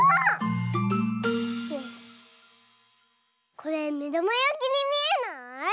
これめだまやきにみえない？